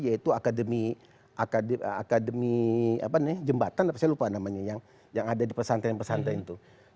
yaitu akademi jembatan apa saya lupa namanya yang ada di pesantren pesantren itu